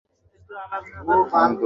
সেখানেও সে দীর্ঘদিন ছিল।